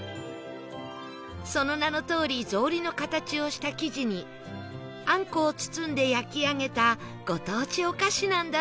その名のとおり草履の形をした生地にあんこを包んで焼き上げたご当地お菓子なんだそう